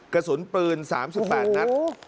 กระสุนปืน๓๘นัด